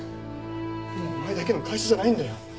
もうお前だけの会社じゃないんだよ。